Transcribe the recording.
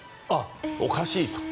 おかしいと。